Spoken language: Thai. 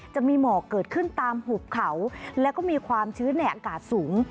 จะมีหมอกเกิดขึ้นตามหุบเขาแล้วก็มีความชื้นในอากาศสูง